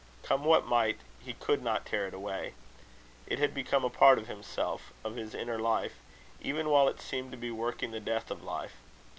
Come what might, he could not tear it away. It had become a part of himself of his inner life even while it seemed to be working the death of life.